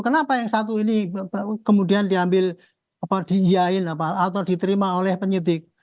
kenapa yang satu ini kemudian diambil apa diinjain atau diterima oleh penyidik